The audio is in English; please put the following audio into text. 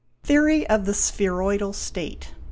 Theory of the spheroidal state.